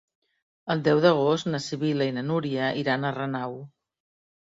El deu d'agost na Sibil·la i na Núria iran a Renau.